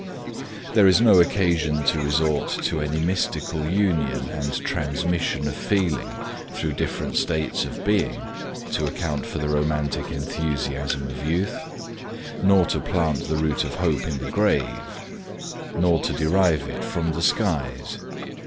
There is no occasion to resort to any mystical union and transmission of feeling through different states of being to account for the romantic enthusiasm of youth; nor to plant the root of hope in the grave, nor to derive it from the skies.